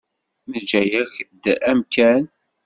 Neǧǧa-yak-d amkan.